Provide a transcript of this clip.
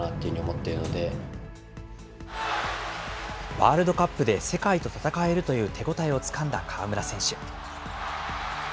ワールドカップで世界と戦えるという手応えをつかんだ河村選手。